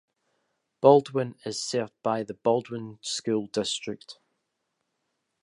Baldwyn is served by the Baldwyn School District.